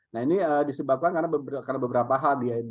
nah ini disebabkan karena beberapa hal